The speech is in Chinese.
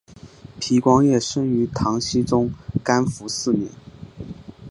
皮光业生于唐僖宗干符四年。